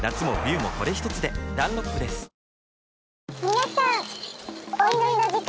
・皆さん。